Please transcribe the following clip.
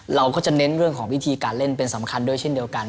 เราก็จะเน้นเรื่องของวิธีการเล่นเป็นสำคัญด้วยเช่นเดียวกัน